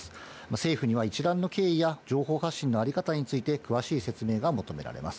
政府には一段の経緯や情報発信の在り方について、詳しい説明が求められます。